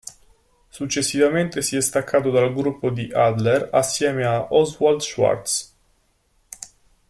Successivamente si è staccato dal gruppo di Adler assieme a Oswald Schwarz.